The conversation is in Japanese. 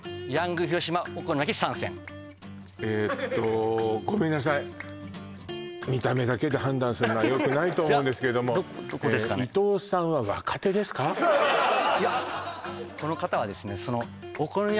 ええとごめんなさい見た目だけで判断するのはよくないと思うんですけれどもこの方はですね